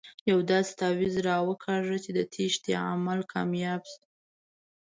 یو داسې تاویز راته وکاږه چې د تېښتې عمل کامیاب شي.